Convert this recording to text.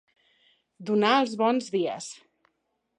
Donar els bons dies.